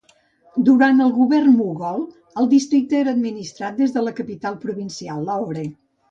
Durant el govern mogol el districte era administrat des de la capital provincial, Lahore.